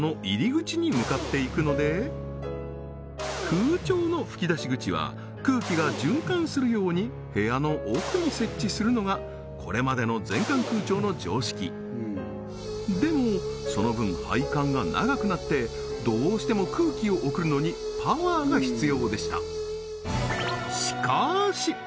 空調の吹き出し口は空気が循環するように部屋の奥に設置するのがこれまでの全館空調の常識でもその分配管が長くなってどうしても空気を送るのにパワーが必要でした